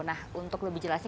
nah untuk lebih jelasnya